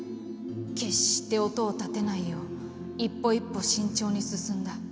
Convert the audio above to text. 決して音を立てないよう一歩一歩慎重に進んだ。